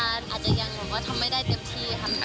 อาจจะยังแบบว่าทำไม่ได้เต็มที่ค่ะ